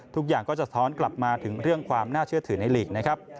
ทุกอย่างก็จะท้อนกลับมาถึงเรื่องความน่าเชื่อถือในลีกนะครับ